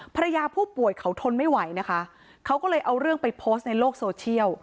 ภรรยาผู้ป่วยเขาทนไม่ไหวนะคะเขาก็เลยเอาเรื่องไปโพสต์ในโลกโซเชียล